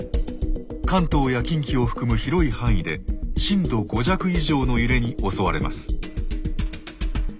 関東や近畿を含む広い範囲で震度５弱以上の揺れに襲われます。